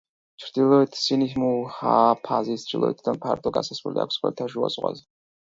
ჩრდილოეთ სინის მუჰაფაზის ჩრდილოეთიდან ფართო გასასვლელი აქვს ხმელთაშუა ზღვაზე.